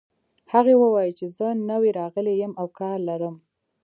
هغې وویل چې زه نوی راغلې یم او کار لرم